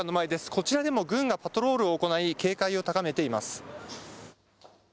こちらでも軍がパトロールを行い、警戒を高めています。